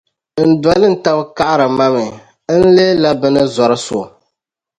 n dolintab’ kaɣiri ma mi, n leela bɛ ni zaɣisi so.